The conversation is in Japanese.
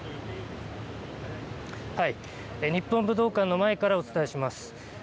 日本武道館の前からお伝えします。